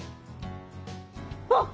あっ！